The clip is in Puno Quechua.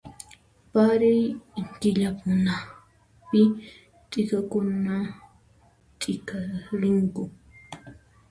Paray killakunapi t'ikakuna t'ikarinku